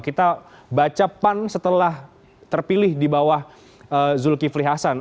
kita baca pan setelah terpilih di bawah zulkifli hasan